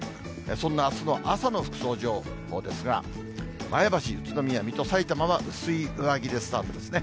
そんなあすの朝の服装情報ですが、前橋、宇都宮、水戸、さいたまは薄い上着でスタートですね。